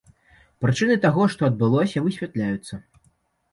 Прычыны таго, што адбылося высвятляюцца.